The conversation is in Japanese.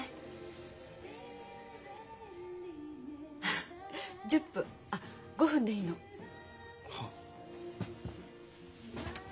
あっ１０分あっ５分でいいの。はあ。